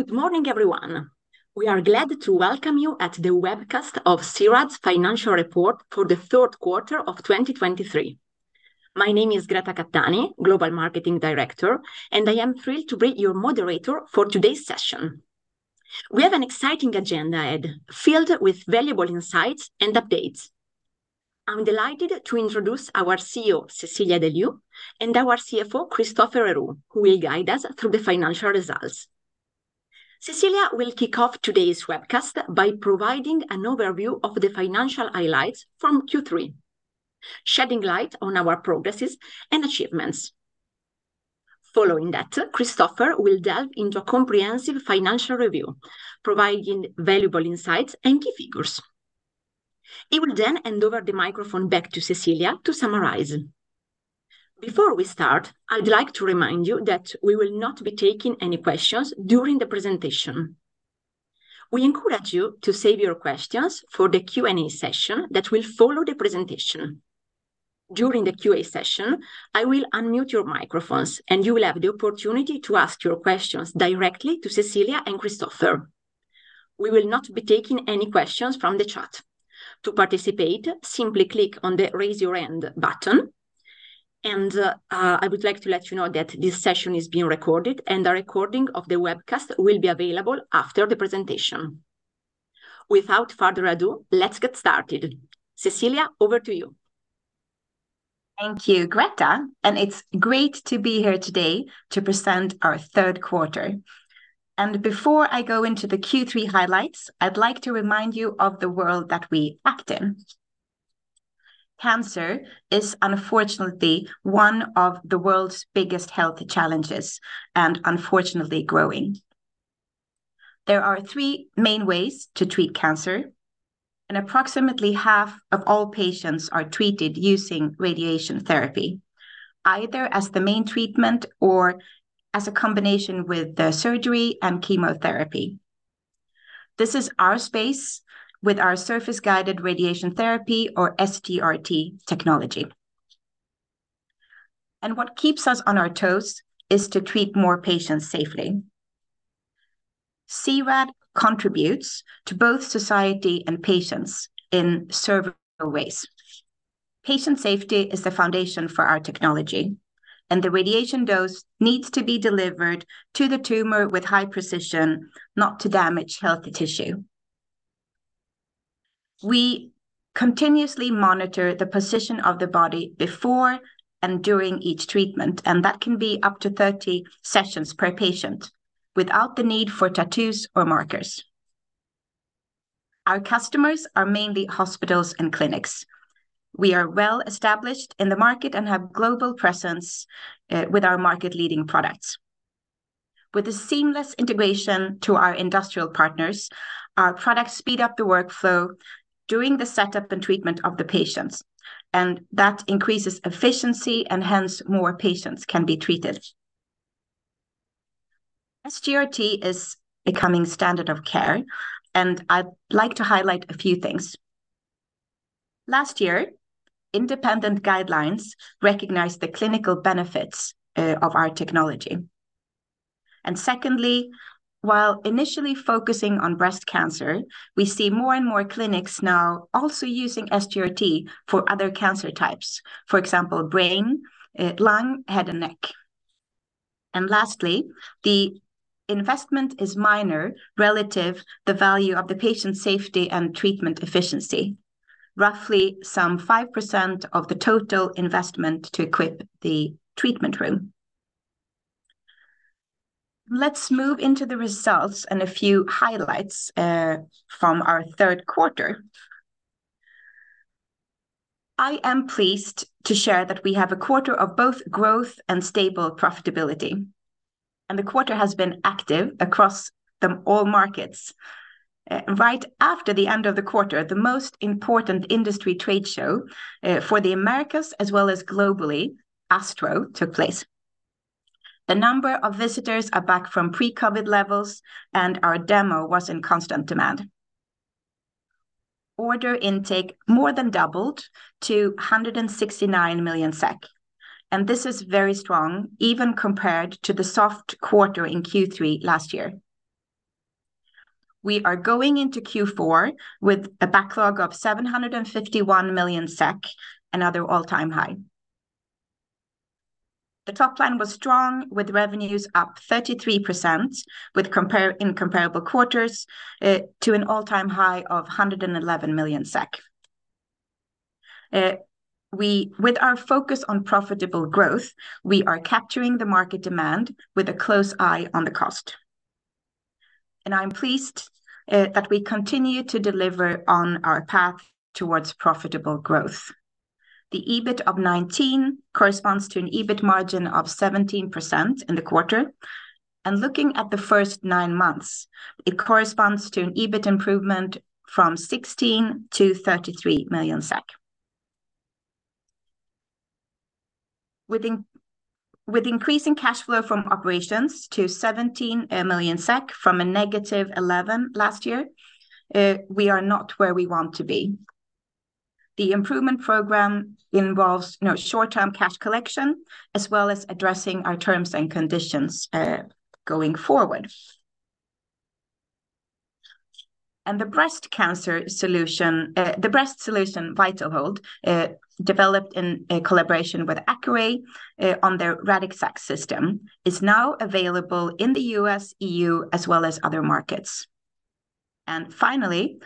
Good morning, everyone. We are glad to welcome you at the webcast of C-RAD's financial report for the third quarter of 2023. My name is Greta Cattani, Global Marketing Director, and I am thrilled to be your moderator for today's session. We have an exciting agenda ahead, filled with valuable insights and updates. I'm delighted to introduce our CEO, Cecilia de Leeuw; and our CFO, Christoffer Herou, who will guide us through the financial results. Cecilia will kick off today's webcast by providing an overview of the financial highlights from Q3, shedding light on our progress and achievements. Following that, Christoffer will delve into a comprehensive financial review, providing valuable insights and key figures. He will then hand over the microphone back to Cecilia to summarize. Before we start, I'd like to remind you that we will not be taking any questions during the presentation. We encourage you to save your questions for the Q&A session that will follow the presentation. During the Q&A session, I will unmute your microphones, and you will have the opportunity to ask your questions directly to Cecilia and Christoffer. We will not be taking any questions from the chat. To participate, simply click on the Raise Your Hand button, and I would like to let you know that this session is being recorded, and a recording of the webcast will be available after the presentation. Without further ado, let's get started. Cecilia, over to you. Thank you, Greta, and it's great to be here today to present our third quarter. Before I go into the Q3 highlights, I'd like to remind you of the world that we act in. Cancer is unfortunately one of the world's biggest health challenges, and unfortunately growing. There are three main ways to treat cancer, and approximately half of all patients are treated using radiation therapy, either as the main treatment or as a combination with the surgery and chemotherapy. This is our space with our surface-guided radiation therapy or SGRT technology. What keeps us on our toes is to treat more patients safely. C-RAD contributes to both society and patients in several ways. Patient safety is the foundation for our technology, and the radiation dose needs to be delivered to the tumor with high precision, not to damage healthy tissue. We continuously monitor the position of the body before and during each treatment, and that can be up to 30 sessions per patient, without the need for tattoos or markers. Our customers are mainly hospitals and clinics. We are well-established in the market and have global presence with our market-leading products. With a seamless integration to our industrial partners, our products speed up the workflow during the setup and treatment of the patients, and that increases efficiency, and hence, more patients can be treated. SGRT is becoming standard of care, and I'd like to highlight a few things. Last year, independent guidelines recognized the clinical benefits of our technology. And secondly, while initially focusing on breast cancer, we see more and more clinics now also using SGRT for other cancer types, for example, brain, lung, head, and neck. Lastly, the investment is minor relative to the value of the patient safety and treatment efficiency, roughly some 5% of the total investment to equip the treatment room. Let's move into the results and a few highlights from our third quarter. I am pleased to share that we have a quarter of both growth and stable profitability, and the quarter has been active across all markets. Right after the end of the quarter, the most important industry trade show for the Americas, as well as globally, ASTRO, took place. The number of visitors are back to pre-COVID levels, and our demo was in constant demand. Order intake more than doubled to 169 million SEK, and this is very strong, even compared to the soft quarter in Q3 last year. We are going into Q4 with a backlog of 751 million SEK, another all-time high. The top line was strong, with revenues up 33% in comparable quarters, to an all-time high of 111 million SEK. With our focus on profitable growth, we are capturing the market demand with a close eye on the cost, and I'm pleased that we continue to deliver on our path towards profitable growth. The EBIT of 19 corresponds to an EBIT margin of 17% in the quarter, and looking at the first nine months, it corresponds to an EBIT improvement from 16 million to 33 million SEK. With increasing cash flow from operations to 17 million SEK from a negative 11 million last year, we are not where we want to be. The improvement program involves, you know, short-term cash collection, as well as addressing our terms and conditions, going forward. The breast cancer solution, the breast solution, VitalHold, developed in a collaboration with Accuray, on their Radixact System, is now available in the U.S., E.U., as well as other markets. Finally,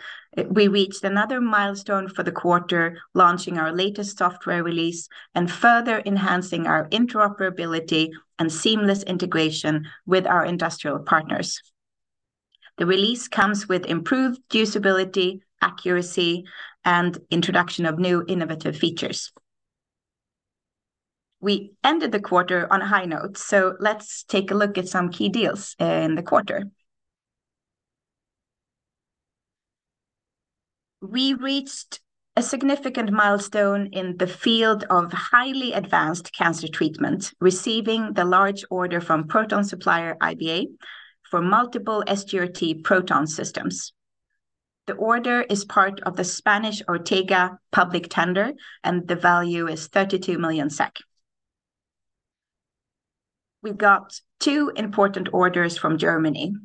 we reached another milestone for the quarter, launching our latest software release and further enhancing our interoperability and seamless integration with our industrial partners. The release comes with improved usability, accuracy, and introduction of new innovative features. We ended the quarter on a high note, so let's take a look at some key deals, in the quarter. We reached a significant milestone in the field of highly advanced cancer treatment, receiving the large order from proton supplier IBA for multiple SGRT proton systems. The order is part of the Spanish Ortega public tender, and the value is 32 million SEK. We've got two important orders from Germany,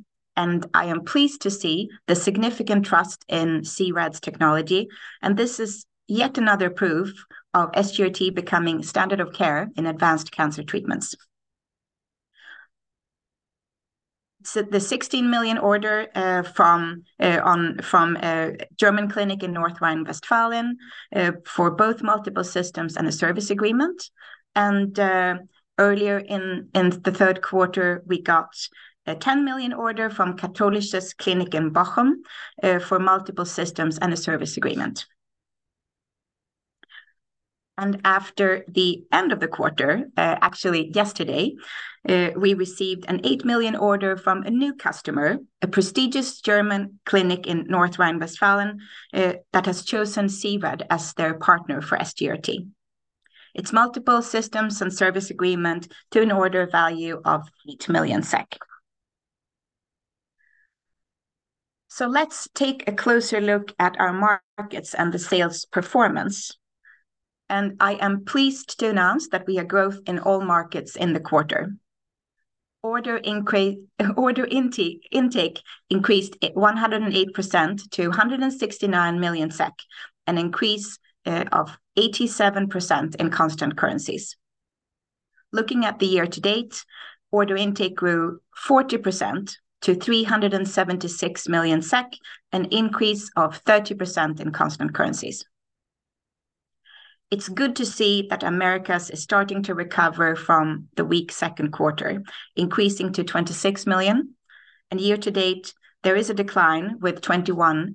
and I am pleased to see the significant trust in C-RAD's technology, and this is yet another proof of SGRT becoming standard of care in advanced cancer treatments. So the 16 million order from a German clinic in North Rhine-Westphalia for both multiple systems and a service agreement, and earlier in the third quarter, we got a 10 million order from Katholisches Klinikum in Bochum for multiple systems and a service agreement. And after the end of the quarter, actually, yesterday, we received a 8 million order from a new customer, a prestigious German clinic in North Rhine-Westphalia that has chosen C-RAD as their partner for SGRT. It's multiple systems and service agreement to an order value of 8 million SEK. So let's take a closer look at our markets and the sales performance. I am pleased to announce that we have growth in all markets in the quarter. Order intake increased 108% to 169 million SEK, an increase of 87% in constant currencies. Looking at the year-to-date, order intake grew 40% to 376 million SEK, an increase of 30% in constant currencies. It's good to see that Americas is starting to recover from the weak second quarter, increasing to 26 million, and year to date, there is a decline with 21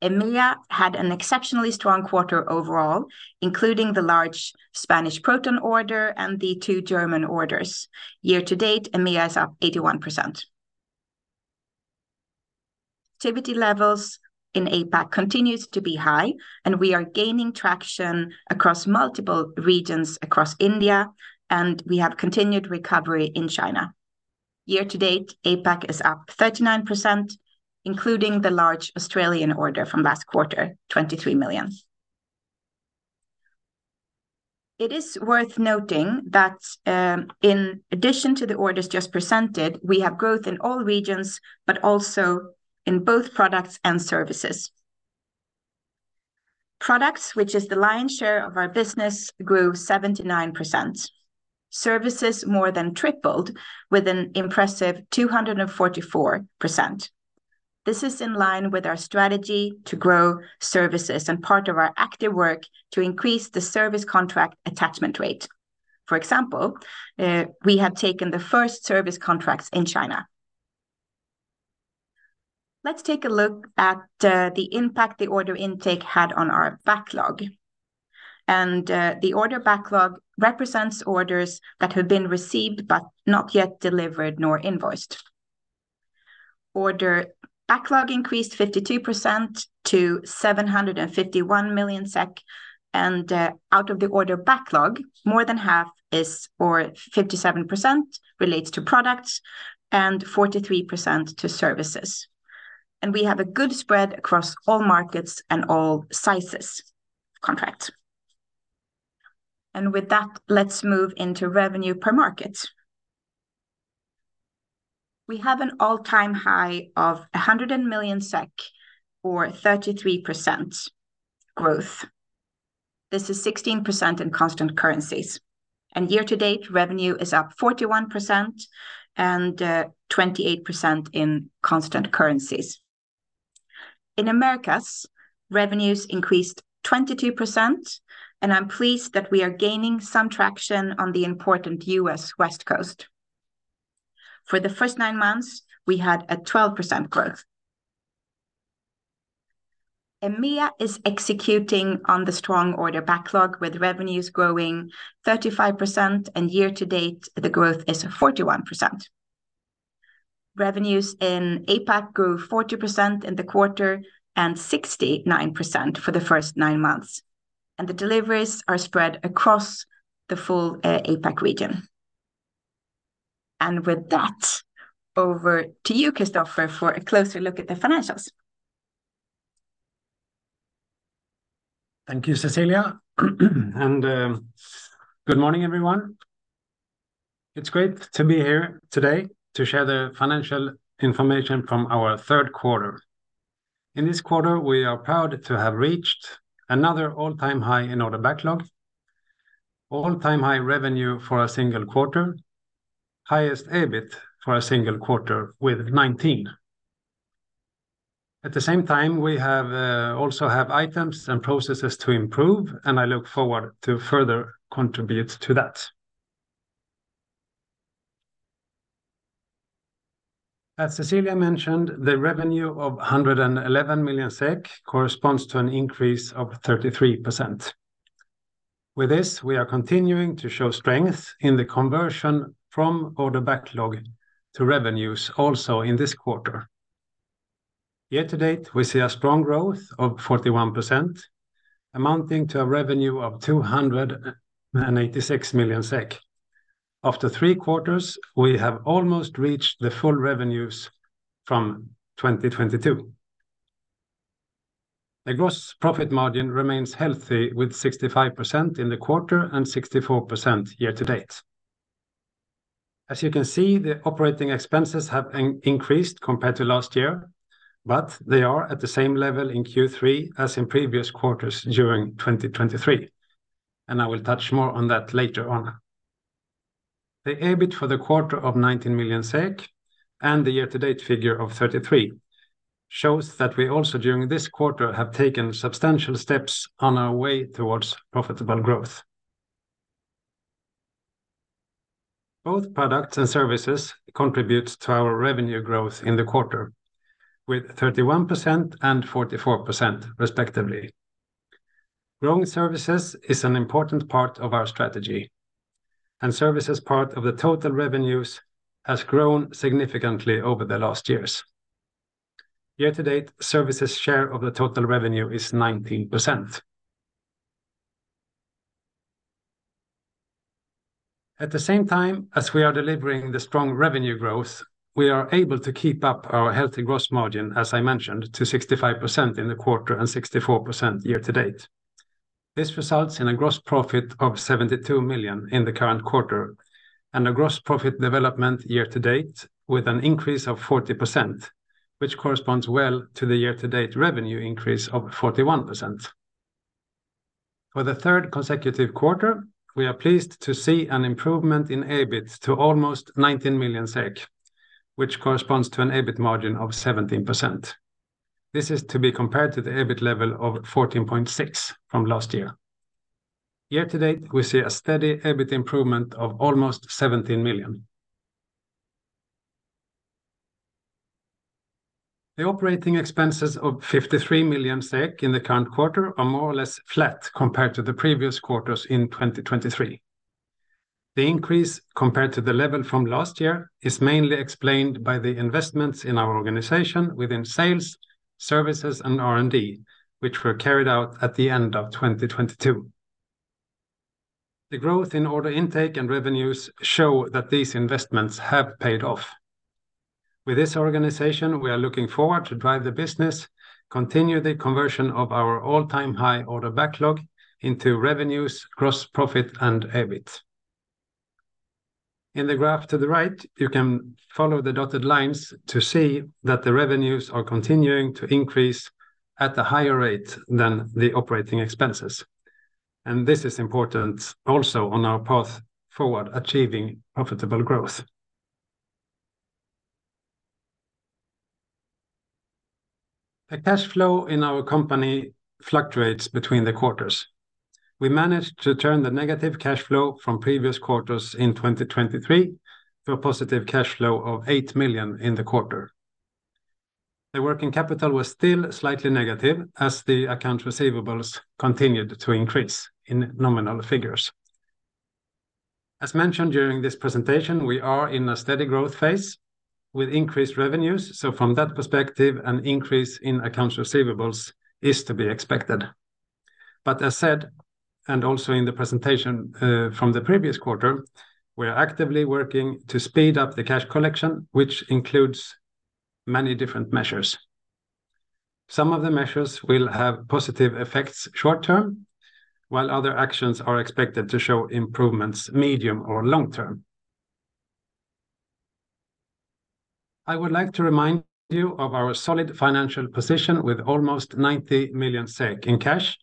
percent. EMEA had an exceptionally strong quarter overall, including the large Spanish proton order and the two German orders. Year to date, EMEA is up 81%. Activity levels in APAC continues to be high, and we are gaining traction across multiple regions across India, and we have continued recovery in China. Year to date, APAC is up 39%, including the large Australian order from last quarter, 23 million. It is worth noting that, in addition to the orders just presented, we have growth in all regions, but also in both products and services. Products, which is the lion's share of our business, grew 79%. Services more than tripled with an impressive 244%. This is in line with our strategy to grow services and part of our active work to increase the service contract attachment rate. For example, we have taken the first service contracts in China. Let's take a look at the impact the order intake had on our backlog, and the order backlog represents orders that have been received but not yet delivered nor invoiced. Order backlog increased 52% to 751 million SEK, and out of the order backlog, more than half is, or 57%, relates to products and 43% to services. We have a good spread across all markets and all sizes contract. With that, let's move into revenue per market. We have an all-time high of 100 million SEK, or 33% growth. This is 16% in constant currencies, and year to date, revenue is up 41% and 28% in constant currencies. In Americas, revenues increased 22%, and I'm pleased that we are gaining some traction on the important U.S. West Coast. For the first nine months, we had a 12% growth. EMEA is executing on the strong order backlog, with revenues growing 35%, and year to date, the growth is 41%. Revenues in APAC grew 40% in the quarter and 69% for the first nine months, and the deliveries are spread across the full APAC region.... With that, over to you, Christoffer, for a closer look at the financials. Thank you, Cecilia. Good morning, everyone. It's great to be here today to share the financial information from our third quarter. In this quarter, we are proud to have reached another all-time high in order backlog, all-time high revenue for a single quarter, highest EBIT for a single quarter with 19. At the same time, we have also items and processes to improve, and I look forward to further contribute to that. As Cecilia mentioned, the revenue of 111 million SEK corresponds to an increase of 33%. With this, we are continuing to show strength in the conversion from order backlog to revenues also in this quarter. Year to date, we see a strong growth of 41%, amounting to a revenue of 286 million SEK. After three quarters, we have almost reached the full revenues from 2022. The gross profit margin remains healthy, with 65% in the quarter and 64% year to date. As you can see, the operating expenses have increased compared to last year, but they are at the same level in Q3 as in previous quarters during 2023, and I will touch more on that later on. The EBIT for the quarter of 19 million SEK and the year-to-date figure of 33 million shows that we also, during this quarter, have taken substantial steps on our way towards profitable growth. Both products and services contribute to our revenue growth in the quarter, with 31% and 44%, respectively. Growing services is an important part of our strategy, and services part of the total revenues has grown significantly over the last years. Year to date, services share of the total revenue is 19%. At the same time, as we are delivering the strong revenue growth, we are able to keep up our healthy gross margin, as I mentioned, to 65% in the quarter and 64% year-to-date. This results in a gross profit of 72 million in the current quarter and a gross profit development year-to-date with an increase of 40%, which corresponds well to the year-to-date revenue increase of 41%. For the third consecutive quarter, we are pleased to see an improvement in EBIT to almost 19 million SEK, which corresponds to an EBIT margin of 17%. This is to be compared to the EBIT level of 14.6 from last year. Year-to-date, we see a steady EBIT improvement of almost 17 million. The operating expenses of 53 million SEK in the current quarter are more or less flat compared to the previous quarters in 2023. The increase compared to the level from last year is mainly explained by the investments in our organization within sales, services, and R&D, which were carried out at the end of 2022. The growth in order intake and revenues show that these investments have paid off. With this organization, we are looking forward to drive the business, continue the conversion of our all-time high order backlog into revenues, gross profit, and EBIT. In the graph to the right, you can follow the dotted lines to see that the revenues are continuing to increase at a higher rate than the operating expenses. This is important also on our path forward, achieving profitable growth. The cash flow in our company fluctuates between the quarters. We managed to turn the negative cash flow from previous quarters in 2023 to a positive cash flow of 8 million in the quarter. The working capital was still slightly negative, as the accounts receivables continued to increase in nominal figures. As mentioned during this presentation, we are in a steady growth phase with increased revenues, so from that perspective, an increase in accounts receivables is to be expected. But as said, and also in the presentation, from the previous quarter, we are actively working to speed up the cash collection, which includes many different measures. Some of the measures will have positive effects short term, while other actions are expected to show improvements medium or long term. I would like to remind you of our solid financial position with almost 90 million SEK in cash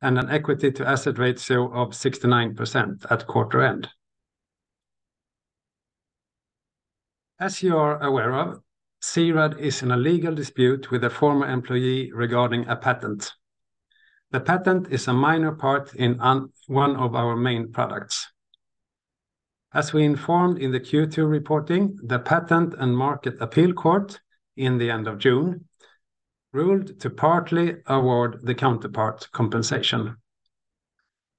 and an equity to asset ratio of 69% at quarter end. As you are aware of, C-RAD is in a legal dispute with a former employee regarding a patent. The patent is a minor part in one of our main products. As we informed in the Q2 reporting, the Patent and Market Court of Appeal, at the end of June, ruled to partly award the counterpart compensation.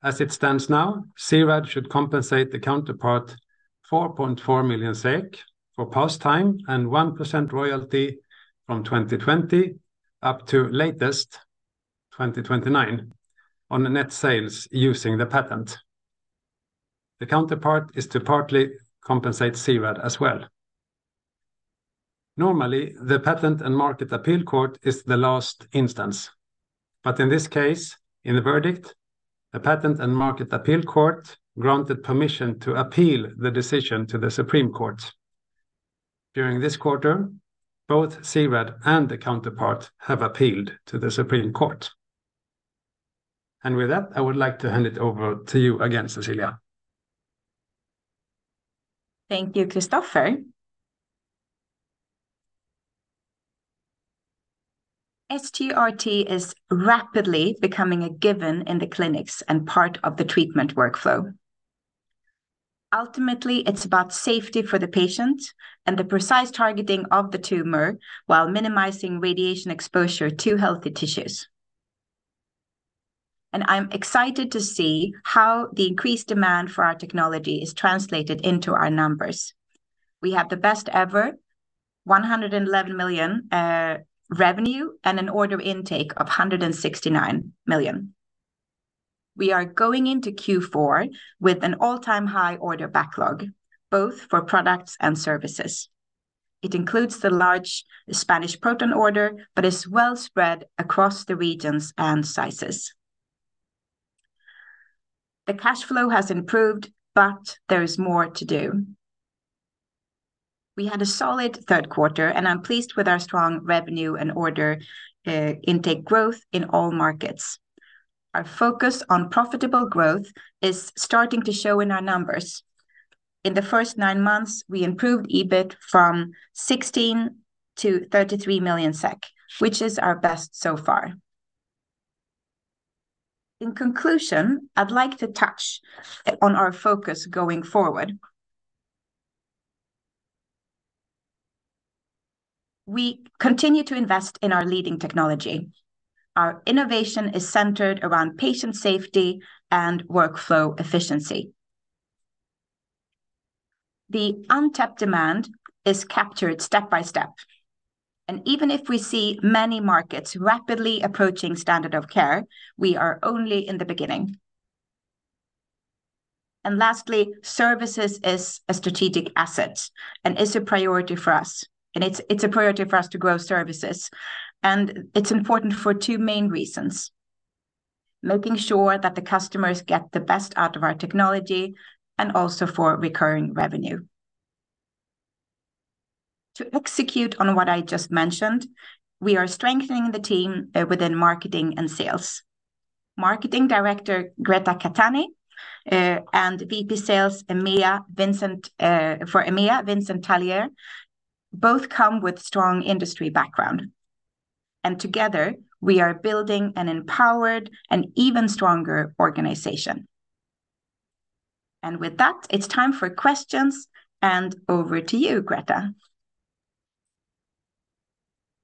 As it stands now, C-RAD should compensate the counterpart 4.4 million SEK for past time and 1% royalty from 2020 up to 2029 on the net sales using the patent. The counterpart is to partly compensate C-RAD as well. Normally, the Patent and Market Court of Appeal is the last instance, but in this case, in the verdict, the Patent and Market Court of Appeals granted permission to appeal the decision to the Supreme Court. During this quarter, both C-RAD and the counterpart have appealed to the Supreme Court. With that, I would like to hand it over to you again, Cecilia. Thank you, Christoffer. SGRT is rapidly becoming a given in the clinics and part of the treatment workflow. Ultimately, it's about safety for the patient and the precise targeting of the tumor, while minimizing radiation exposure to healthy tissues. I'm excited to see how the increased demand for our technology is translated into our numbers. We have the best ever, 111 million revenue, and an order intake of 169 million. We are going into Q4 with an all-time high order backlog, both for products and services. It includes the large Spanish proton order, but is well spread across the regions and sizes. The cash flow has improved, but there is more to do. We had a solid third quarter, and I'm pleased with our strong revenue and order intake growth in all markets. Our focus on profitable growth is starting to show in our numbers. In the first nine months, we improved EBIT from 16 million-33 million SEK, which is our best so far. In conclusion, I'd like to touch on our focus going forward. We continue to invest in our leading technology. Our innovation is centered around patient safety and workflow efficiency. The untapped demand is captured step by step, and even if we see many markets rapidly approaching standard of care, we are only in the beginning. Lastly, services is a strategic asset and is a priority for us, and it's, it's a priority for us to grow services, and it's important for two main reasons: making sure that the customers get the best out of our technology, and also for recurring revenue. To execute on what I just mentioned, we are strengthening the team, within marketing and sales. Marketing Director, Greta Cattani, and VP Sales, EMEA, Vincent, for EMEA, Vincent Tallier, both come with strong industry background, and together, we are building an empowered and even stronger organization. And with that, it's time for questions, and over to you, Greta.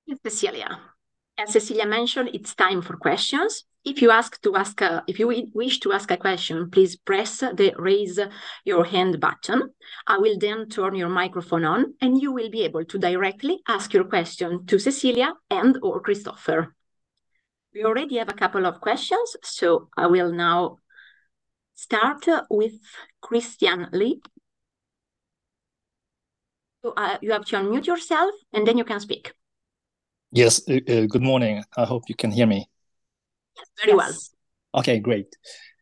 Thanks, Cecilia. As Cecilia mentioned, it's time for questions. If you wish to ask a question, please press the Raise Your Hand button. I will then turn your microphone on, and you will be able to directly ask your question to Cecilia and/or Christoffer. We already have a couple of questions, so I will now start with Christian Lee. So, you have to unmute yourself, and then you can speak. Yes, good morning. I hope you can hear me. Yes, very well. Okay, great.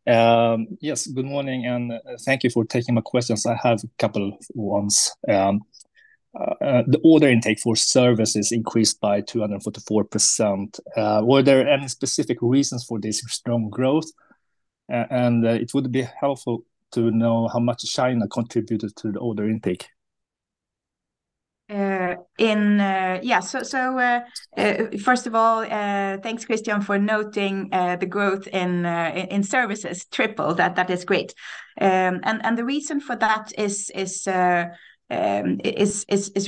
Yes, good morning, and thank you for taking my questions. I have a couple of ones. The order intake for services increased by 244%. Were there any specific reasons for this strong growth? And it would be helpful to know how much China contributed to the order intake. Yeah, so first of all, thanks, Christian, for noting the growth in services triple. That is great. And the reason for that is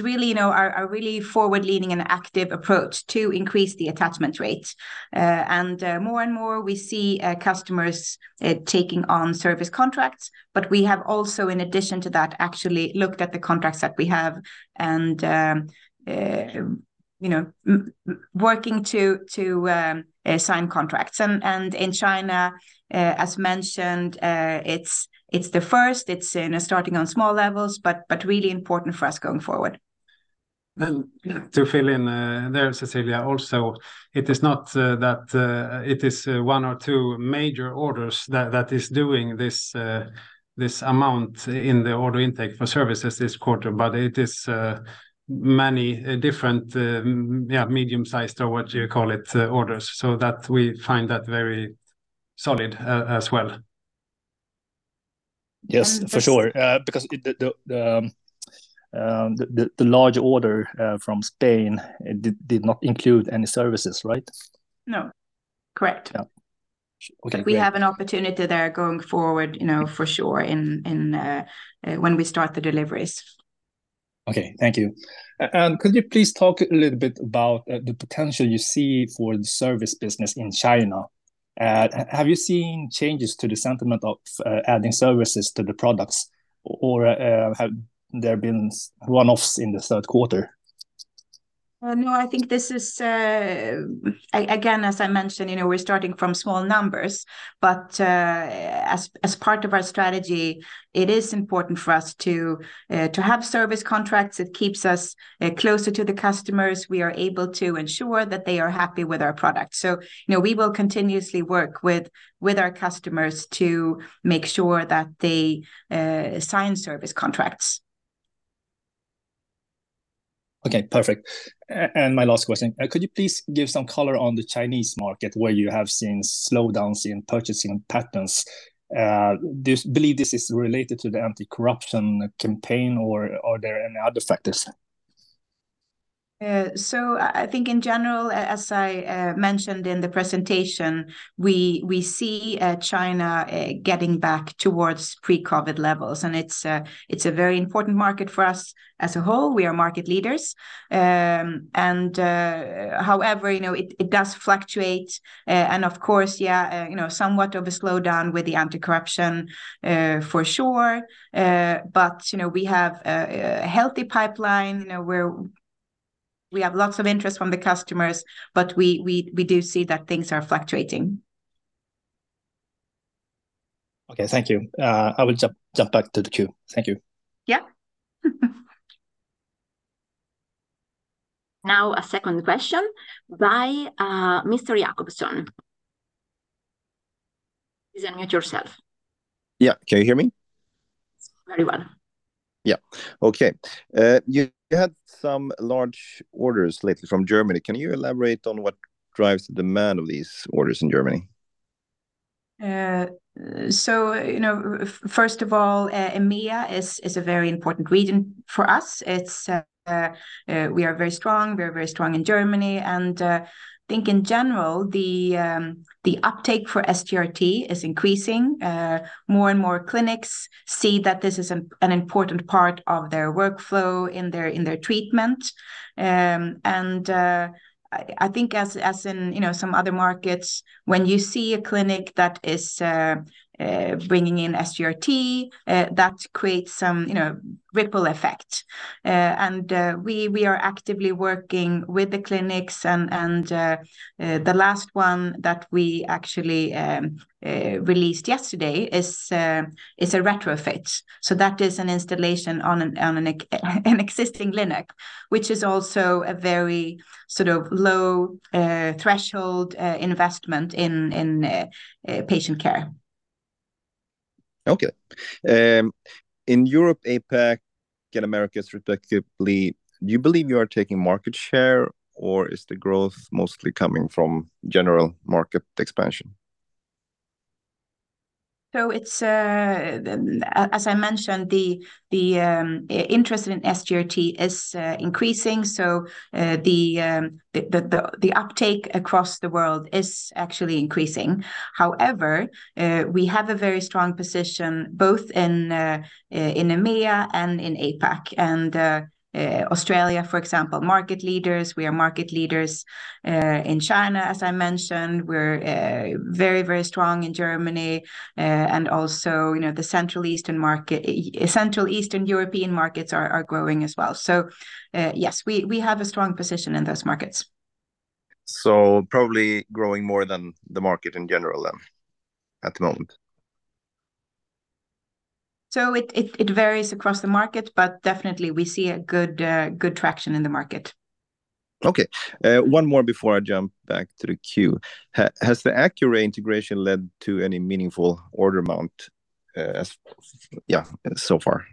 really, you know, our really forward-leaning and active approach to increase the attachment rate. And more and more, we see customers taking on service contracts, but we have also, in addition to that, actually looked at the contracts that we have and, you know, working to sign contracts. And in China, as mentioned, it's the first, it's starting on small levels, but really important for us going forward. Then to fill in, there, Cecilia, also, it is not that it is one or two major orders that is doing this this amount in the order intake for services this quarter, but it is many different, medium-sized, or what you call it, orders. So that we find that very solid as well. Yes, for sure. Because the large order from Spain did not include any services, right? No. Correct. Yeah. Okay, great. We have an opportunity there going forward, you know, for sure, in when we start the deliveries. Okay, thank you. And could you please talk a little bit about the potential you see for the service business in China? Have you seen changes to the sentiment of adding services to the products, or have there been one-offs in the third quarter? No, I think this is again, as I mentioned, you know, we're starting from small numbers, but as part of our strategy, it is important for us to have service contracts. It keeps us closer to the customers. We are able to ensure that they are happy with our product. So, you know, we will continuously work with our customers to make sure that they sign service contracts. Okay, perfect. And my last question, could you please give some color on the Chinese market, where you have seen slowdowns in purchasing patterns? Do you believe this is related to the anti-corruption campaign, or are there any other factors? So I think in general, as I mentioned in the presentation, we see China getting back towards pre-COVID levels, and it's a very important market for us as a whole. We are market leaders. However, you know, it does fluctuate. Of course, you know, somewhat of a slowdown with the anti-corruption, for sure. But you know, we have a healthy pipeline, you know, where we have lots of interest from the customers, but we do see that things are fluctuating. Okay. Thank you. I will jump back to the queue. Thank you. Yeah. Now, a second question by Mr. Jakobsson. Please unmute yourself. Yeah. Can you hear me? Very well. Yeah. Okay. You had some large orders lately from Germany. Can you elaborate on what drives the demand of these orders in Germany? So, you know, first of all, EMEA is a very important region for us. It's we are very strong. We are very strong in Germany, and I think in general, the uptake for SGRT is increasing. More and more clinics see that this is an important part of their workflow in their treatment. And I think as in, you know, some other markets, when you see a clinic that is bringing in SGRT, that creates some, you know, ripple effect. And we are actively working with the clinics and the last one that we actually released yesterday is a retrofit. So that is an installation on an existing clinic, which is also a very sort of low threshold investment in patient care. Okay. In Europe, APAC, and Americas, respectively, do you believe you are taking market share, or is the growth mostly coming from general market expansion? So it's, as I mentioned, the interest in SGRT is increasing, so the uptake across the world is actually increasing. However, we have a very strong position, both in EMEA and in APAC, and Australia, for example, market leaders. We are market leaders in China, as I mentioned. We're very, very strong in Germany, and also, you know, the Central Eastern market, Central Eastern European markets are growing as well. So yes, we have a strong position in those markets. So probably growing more than the market in general then, at the moment? So it varies across the market, but definitely we see good traction in the market. Okay. One more before I jump back to the queue. Has the Accuray integration led to any meaningful order amount so far?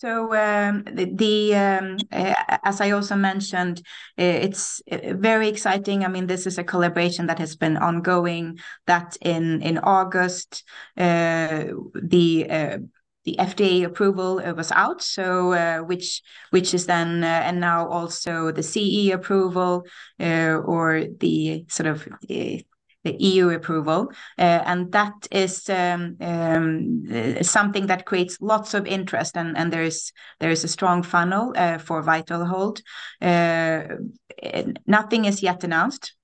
So, as I also mentioned, it's very exciting. I mean, this is a collaboration that has been ongoing, that in August, the FDA approval was out, so, which is then, and now also the CE approval, or the sort of the EU approval. And that is something that creates lots of interest, and there is a strong funnel for VitalHold. Nothing is yet announced.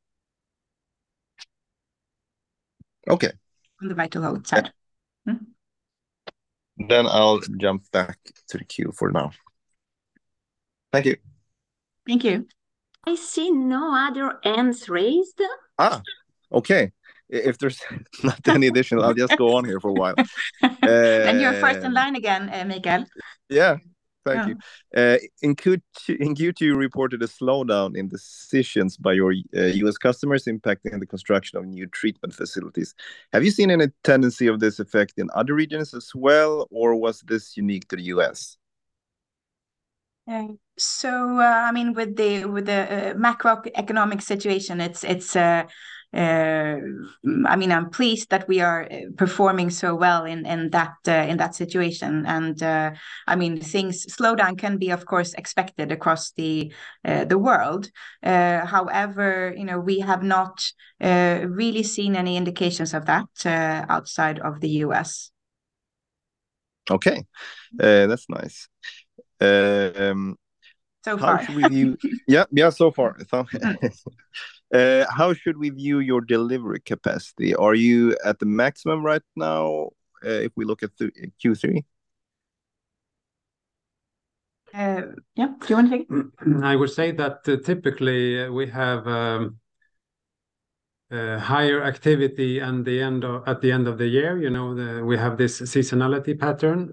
Okay On the VitalHold side. Yeah. Then I'll jump back to the queue for now. Thank you. Thank you. I see no other hands raised. Ah, okay. If there's not any additional, I'll just go on here for a while. Then you're first in line again, Mikael. Yeah. Thank you. Yeah. In Q2, you reported a slowdown in decisions by your US customers impacting the construction of new treatment facilities. Have you seen any tendency of this effect in other regions as well, or was this unique to the US? So, I mean, with the macroeconomic situation, it's. I mean, I'm pleased that we are performing so well in that situation. I mean, the slowdown can be, of course, expected across the world. However, you know, we have not really seen any indications of that outside of the U.S. Okay, that's nice. So far. How should we view-- Yeah, yeah, so far. How should we view your delivery capacity? Are you at the maximum right now, if we look at the Q3? Yeah, do you want to take it? I would say that, typically, we have higher activity at the end of the year, you know, we have this seasonality pattern.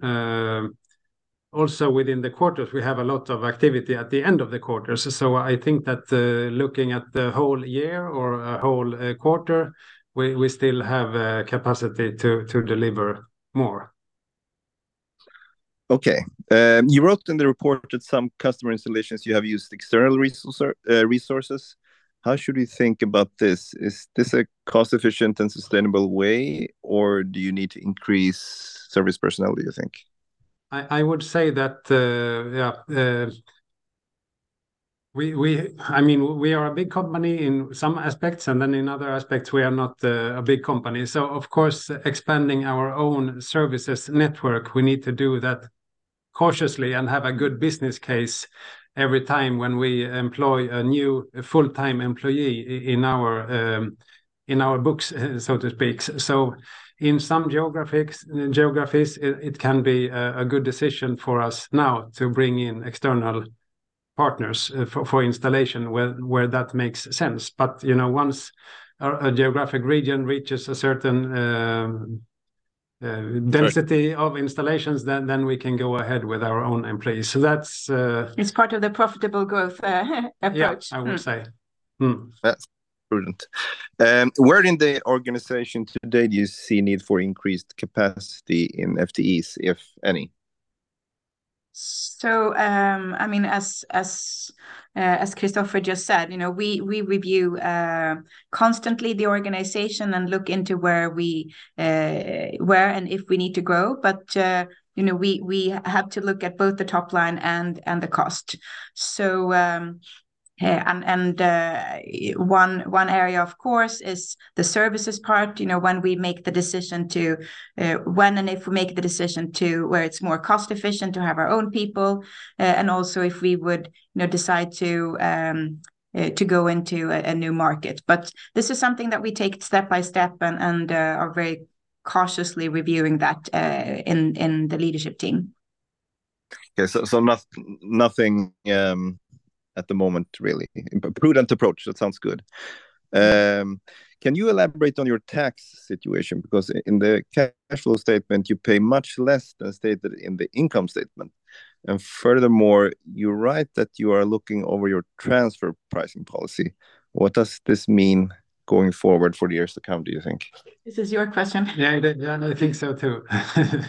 Also within the quarters, we have a lot of activity at the end of the quarters. So I think that, looking at the whole year or a whole quarter, we still have capacity to deliver more. Okay. You wrote in the report that some customer installations, you have used external resources. How should we think about this? Is this a cost-efficient and sustainable way, or do you need to increase service personnel, you think? I would say that, yeah, I mean, we are a big company in some aspects, and then in other aspects, we are not a big company. So of course, expanding our own services network, we need to do that cautiously and have a good business case every time when we employ a new full-time employee in our books, so to speak. So in some geographies, it can be a good decision for us now to bring in external partners for installation, where that makes sense. But, you know, once a geographic region reaches a certain. Right. Density of installations, then, then we can go ahead with our own employees. So that's It's part of the profitable growth approach. Yeah, I would say. Hmm, that's prudent. Where in the organization today do you see need for increased capacity in FTEs, if any? So, I mean, as Christopher just said, you know, we review constantly the organization and look into where and if we need to grow. But, you know, we have to look at both the top line and the cost. So, one area, of course, is the services part. You know, when and if we make the decision to where it's more cost-efficient to have our own people, and also if we would, you know, decide to go into a new market. But this is something that we take step by step and are very cautiously reviewing that in the leadership team. Okay. So, nothing at the moment, really. But prudent approach, that sounds good. Can you elaborate on your tax situation? Because in the cash flow statement, you pay much less than stated in the income statement. And furthermore, you write that you are looking over your transfer pricing policy. What does this mean going forward for the years to come, do you think? This is your question. Yeah, yeah, and I think so, too. No, so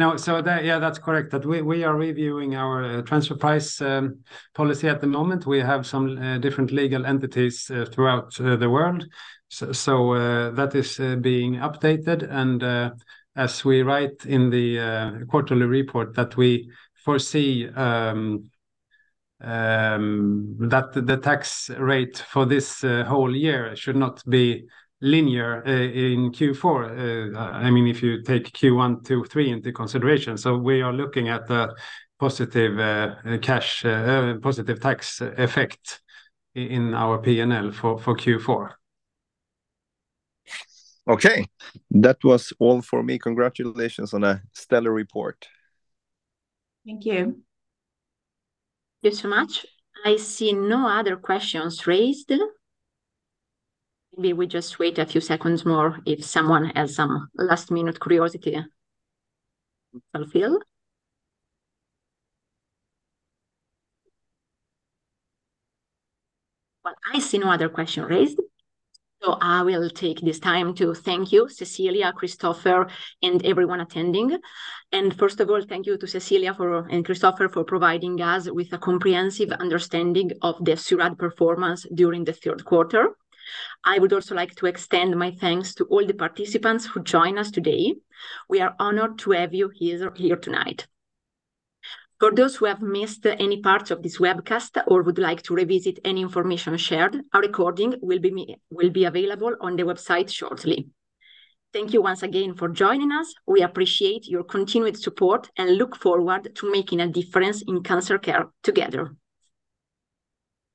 that, yeah, that's correct, that we are reviewing our transfer price policy at the moment. We have some different legal entities throughout the world. So that is being updated. And as we write in the quarterly report, that we foresee that the tax rate for this whole year should not be linear in Q4, I mean, if you take Q1, Q2, Q3 into consideration. So we are looking at a positive cash positive tax effect in our P&L for Q4. Yes. Okay. That was all for me. Congratulations on a stellar report. Thank you. Thanks so much. I see no other questions raised. Maybe we just wait a few seconds more if someone has some last-minute curiosity fulfilled. Well, I see no other question raised, so I will take this time to thank you, Cecilia, Christopher, and everyone attending. First of all, thank you to Cecilia for, and Christopher, for providing us with a comprehensive understanding of the C-RAD performance during the third quarter. I would also like to extend my thanks to all the participants who joined us today. We are honored to have you here, here tonight. For those who have missed any part of this webcast or would like to revisit any information shared, a recording will be available on the website shortly. Thank you once again for joining us. We appreciate your continued support and look forward to making a difference in cancer care together.